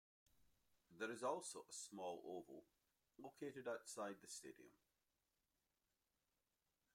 There is also a small oval located outside the stadium.